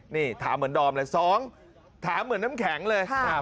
นี่ถามเหมือนดอมเลย๒ถามเหมือนน้ำแข็งเลย